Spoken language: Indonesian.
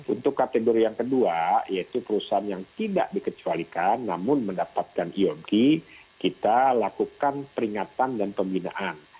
untuk kategori yang kedua yaitu perusahaan yang tidak dikecualikan namun mendapatkan iog kita lakukan peringatan dan pembinaan